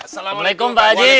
assalamualaikum pak haji